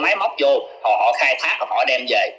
máy móc vô họ khai thác họ đem về